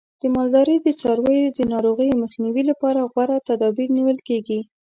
د مالدارۍ د څارویو د ناروغیو مخنیوي لپاره غوره تدابیر نیول کېږي.